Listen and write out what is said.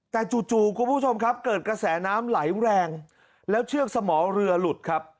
แต่จู่คุณผู้ชมครับเกิดกระแสน้ำไหลแรงแล้วเชือกสมอเรือหลุดครับ